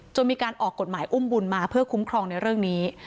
มีการออกกฎหมายอุ้มบุญมาเพื่อคุ้มครองในเรื่องนี้